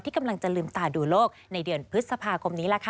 กำลังจะลืมตาดูโลกในเดือนพฤษภาคมนี้ล่ะค่ะ